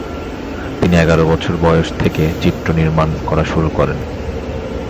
তিনি এগার বছর বয়স থেকে চিত্র নির্মাণ করা শুরু করেন।